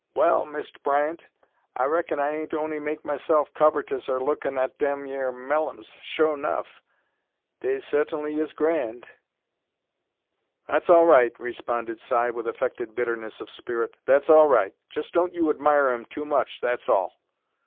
"Well, Mist' Bryant, I raikon I ain't on'y make m'se'f covertous er lookin' at dem yere mellums, sure 'nough. Dey suhtainly is grand." "That's all right," responded Si, with affected bitterness of spirit. "That's all right. Just don't you admire 'em too much, that's all."